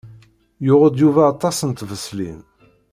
Yuɣ-d Yuba aṭas n tbeṣlin.